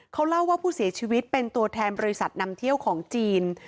เขาเล่าว่าผู้เสียชีวิตเป็นตัวแทนบริษัทนำเที่ยวของจีน